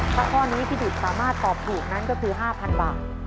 ถ้าข้อนี้พี่ดุดสามารถตอบถูกนั้นก็คือ๕๐๐บาท